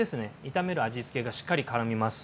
炒める味付けがしっかりからみます。